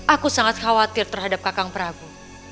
aku sangat khawatir terhadap kakang prabu